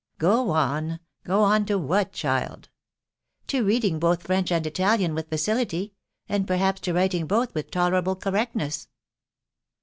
" Get on !.... get on to what, child ?"" To reading both French and Italian with facility, and perhaps to writing both with tolerable correctness."